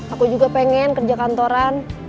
aku juga pengen kerja kantoran